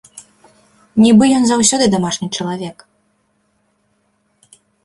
Нібы ён заўсёды дамашні чалавек.